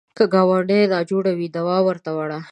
که ګاونډی ناجوړه وي، دوا ورته وړه